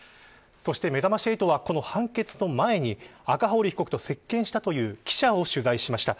そしてめざまし８は、この判決の前に赤堀被告と接見したという記者を取材しました。